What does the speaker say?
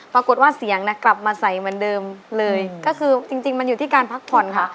ปรากฏว่าเสียงน่ะกลับมาใส่เหมือนเดิมเลยก็คือจริงจริงมันอยู่ที่การพักผ่อนค่ะ